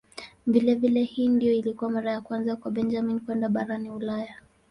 Vilevile hii ndiyo ilikuwa mara ya kwanza kwa Benjamin kwenda barani Ulaya.